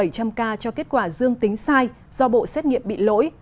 bảy trăm linh ca cho kết quả dương tính sai do bộ xét nghiệm bị lỗi